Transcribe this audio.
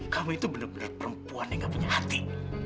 kamu itu benar benar perempuan yang gak punya hati